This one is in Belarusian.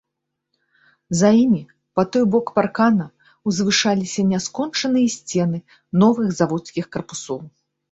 За імі, па той бок паркана, узвышаліся няскончаныя сцены новых заводскіх карпусоў.